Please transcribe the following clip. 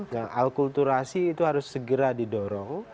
nah alkulturasi itu harus segera didorong